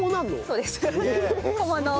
そうです。